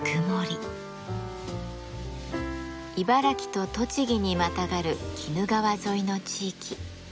茨城と栃木にまたがる鬼怒川沿いの地域。